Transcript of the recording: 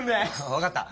わかった。